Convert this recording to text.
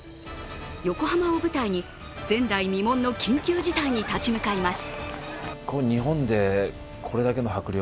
横浜を舞台に前代未聞の緊急事態に立ち向かいます。